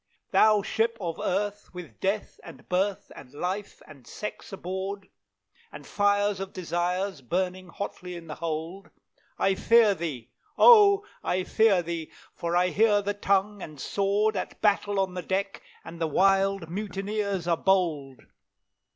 "Thou Ship of Earth, with Death, and Birth, and Life, and Sex aboard, And fires of Desires burning hotly in the hold, I fear thee, O! I fear thee, for I hear the tongue and sword At battle on the deck, and the wild mutineers are bold!